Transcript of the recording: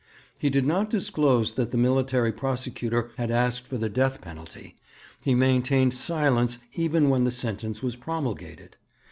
He did not disclose that the Military Prosecutor had asked for the death penalty; he maintained silence even when the sentence was promulgated.